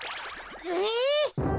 え！